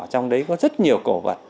trong đấy có rất nhiều cổ vật